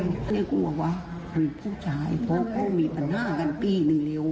ก็เลยกลัวว่ามันผู้ชายเพราะเขามีปัญหากันปีหนึ่งเร็ว